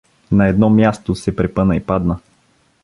На едно място се препъна и падна.